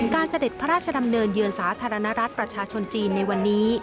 เสด็จพระราชดำเนินเยือนสาธารณรัฐประชาชนจีนในวันนี้